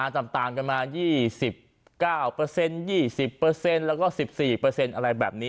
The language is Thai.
ต่างกันมา๒๙๒๐แล้วก็๑๔อะไรแบบนี้